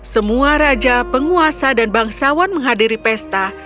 semua raja penguasa dan bangsawan menghadiri pesta